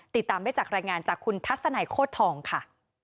ติดตามได้จากรายงานจากคุณทัศนัยโคตรทองค่ะ